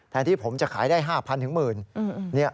แทนที่ผมจะขายได้๕๐๐๐๑๐๐๐๐